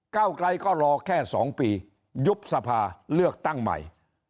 เก้าไกลก็รอแค่๒ปียุบสภาเลือกตั้งใหม่